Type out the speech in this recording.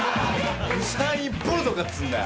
ウサイン・ボルトかっつうんだよ。